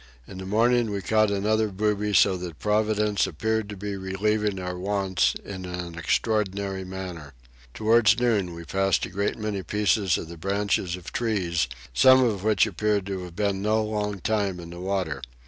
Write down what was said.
In the morning we caught another booby so that Providence appeared to be relieving our wants in an extraordinary manner. Towards noon we passed a great many pieces of the branches of trees, some of which appeared to have been no long time in the water.